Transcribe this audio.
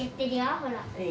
ほら。